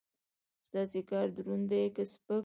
ستاسو کار دروند دی که سپک؟